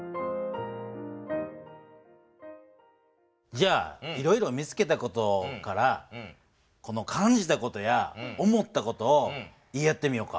じゃあいろいろ見つけた事から感じた事や思った事を言い合ってみようか。